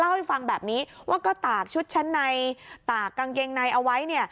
เล่าให้ฟังแบบนี้ว่าก็ตากชุดชั้นในตากกางเกงในเอาไว้เนี่ย